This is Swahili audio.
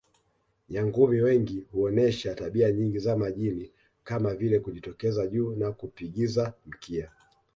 Nyangumi wengi huonesha tabia nyingi za majini kama vile kujitokeza juu na kupigiza mkia